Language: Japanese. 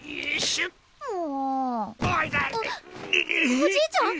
おじいちゃん！